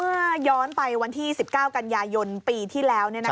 ย้อนไปวันที่๑๙กันยายนปีที่แล้ว